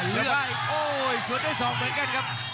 มรึไม่เนียนสวยด้วยสอกเหมือนกันครับ